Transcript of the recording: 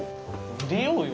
出ようよ。